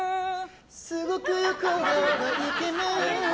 すごく横顔がイケメン。